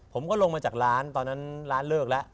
ผมก็ลงมาจากร้านตอนนั้นร้านเลิกแล้ว